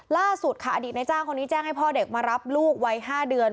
ล่าสุดค่ะอดีตในจ้างคนนี้แจ้งให้พ่อเด็กมารับลูกวัย๕เดือน